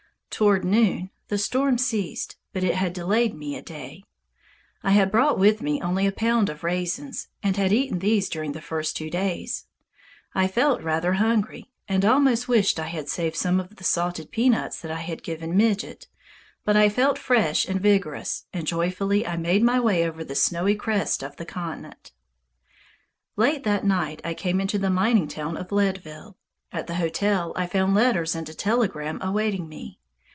Toward noon the storm ceased, but it had delayed me a day. I had brought with me only a pound of raisins, and had eaten these during the first two days. I felt rather hungry, and almost wished I had saved some of the salted peanuts that I had given Midget, but I felt fresh and vigorous, and joyfully I made my way over the snowy crest of the continent. Late that night I came into the mining town of Leadville. At the hotel I found letters and a telegram awaiting me.